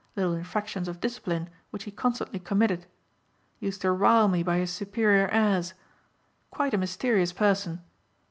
Little infractions of discipline which he constantly committed. Used to rile me by his superior airs. Quite a mysterious person.